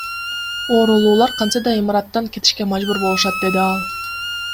Оорулуулар кантсе да имараттан кетишке мажбур болушат, — деди ал.